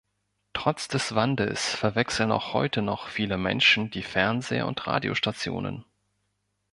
Trotz des Wandels verwechseln auch heute noch viele Menschen die Fernseh- und Radiostationen.